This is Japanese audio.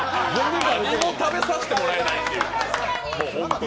何も食べさせてもらえないっていう！